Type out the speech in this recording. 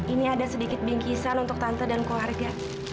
ini ada sedikit bingkisan untuk tante dan keluarga